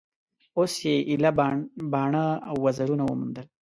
اوس یې ایله باڼه او وزرونه وموندل